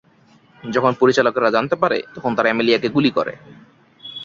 যখন পরিচালকরা জানতে পারে, তখন তারা অ্যামেলিয়াকে গুলি করে।